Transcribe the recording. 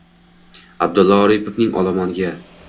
Аbdulla Oripovning “Olomonga”